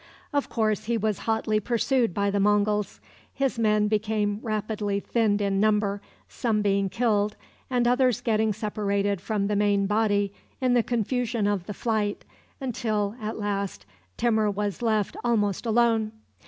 Of course, he was hotly pursued by the Monguls. His men became rapidly thinned in number, some being killed, and others getting separated from the main body in the confusion of the flight, until, at last, Timur was left almost alone.